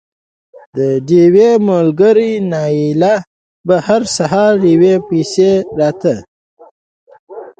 د ډېوې ملګرې نايله به هر سهار ډېوې پسې راتله